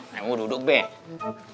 mau duduk bek